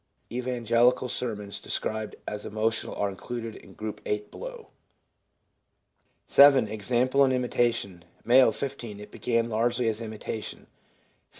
Evangelical sermons described as emotional are included in group 8 below. 7. Example and imitation. — M., 15. 'It began largely as imitation.' F., 16.